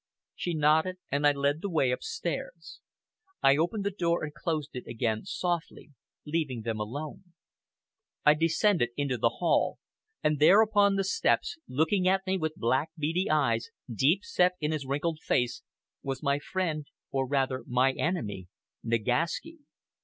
She nodded, and I led the way upstairs. I opened the door and closed it again softly, leaving them alone.... I descended into the hall, and there upon the steps, looking at me with black, beady eyes, deep set in his wrinkled face, was my friend, or rather my enemy, Nagaski.